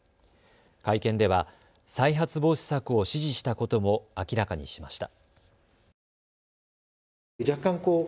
会見では再発防止策を指示したことも明らかにしました。